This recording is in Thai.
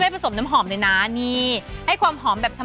ผลิตจากออร์แกนิกและน้ำมันมะพร้าวบริสุทธิ์